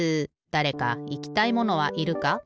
だれかいきたいものはいるか？